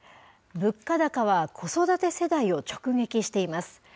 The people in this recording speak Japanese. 物価高は子育て世代を直撃しています。